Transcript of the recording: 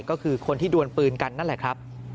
ก็คือคนที่ดวนปืนกันนั่นแหละครับ